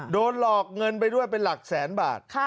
โดนหลอกเงินไปด้วยเป็นหลักแสนบาท